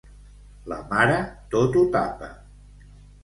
La mare tot ho tapa.